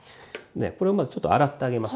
これをまずちょっと洗ってあげます。